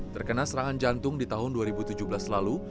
terkena serangan jantung di tahun dua ribu tujuh belas lalu